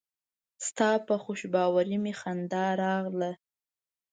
ستا په خوشباوري مې خندا راغله.